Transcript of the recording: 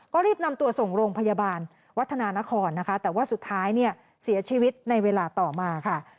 ก็รีบนำตัวส่งโรงพยาบาลวัฒนานครนะคะแต่ว่าสุดท้ายเนี่ยเสียชีวิตในเวลาต่อมาค่ะ